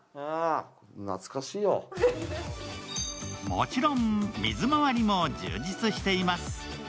もちろん水まわりも充実しています。